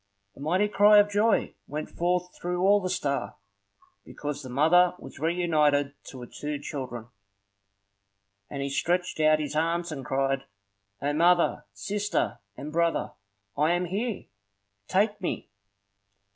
A mighty cry of joy went forth through all the star, because the mother was reunited to her two children. And he stretched out his arms and cried, "O mother, sister, and brother, I am here! Take me!"